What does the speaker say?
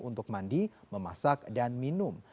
untuk mandi memasak dan minum